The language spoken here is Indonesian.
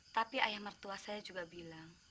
tapi ayah mertua saya juga bilang